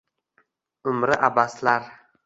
umri abaslar.